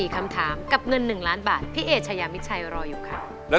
คำถามกับเงิน๑ล้านบาทพี่เอชายามิดชัยรออยู่ค่ะ